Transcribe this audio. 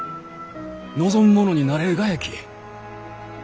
望む者になれるがやき。